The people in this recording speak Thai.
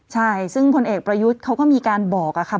ใช่ซึ่งพลเอกประยุทธ์เขาก็มีการบอกค่ะ